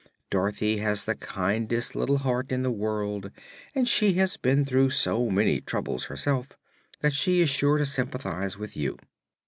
Dorothy has the kindest little heart in the world, and she has been through so many troubles herself that she is sure to sympathize with you."